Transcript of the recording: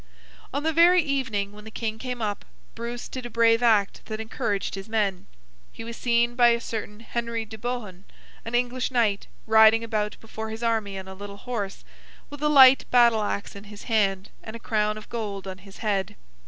On the very evening, when the King came up, Bruce did a brave act that encouraged his men. He was seen by a certain Henry de Bohun, an English Knight, riding about before his army on a little horse, with a light battle axe in his hand, and a crown of gold on his head.